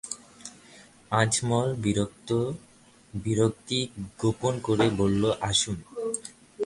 আজমল বিরক্তি গোপন করে বলল, আসুন।